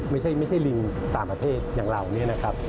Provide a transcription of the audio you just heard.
ไม่ใช่ลิงต่างประเทศอย่างเรา